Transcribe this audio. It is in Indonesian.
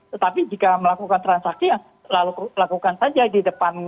tetapi jika melakukan transaksi lalu lakukan saja di depan